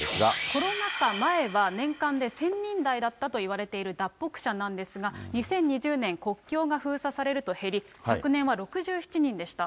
コロナ禍前は年間で１０００人台だったといわれている脱北者なんですが、２０２０年、国境が封鎖されると減り、昨年は６７人でした。